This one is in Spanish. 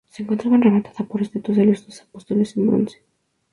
Se encontraba rematada por estatuas de los doce apóstoles en bronce.